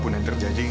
itu rinta datang